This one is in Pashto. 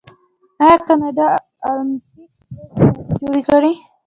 آیا کاناډا المپیک لوبې نه دي جوړې کړي؟